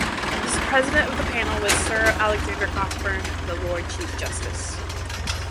The president of the panel was Sir Alexander Cockburn, the Lord Chief Justice.